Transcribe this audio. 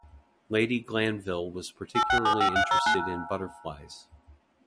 Lady Glanville was particularly interested in butterflies.